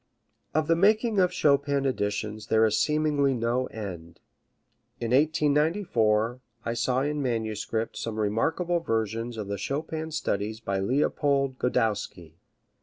Of the making of Chopin editions there is seemingly no end. In 1894 I saw in manuscript some remarkable versions of the Chopin Studies by Leopold Godowsky.